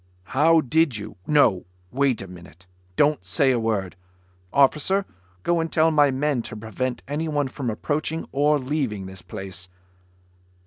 "How did you ... no! Wait a minute. Don't say a word. Officer, go and tell my men to prevent anyone from approaching or leaving this place."